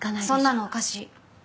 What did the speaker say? そんなのおかしい。